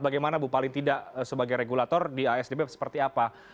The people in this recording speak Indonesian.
bagaimana bu paling tidak sebagai regulator di asdp seperti apa